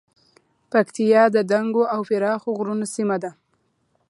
پکتیا د دنګو او پراخو غرونو سیمه ده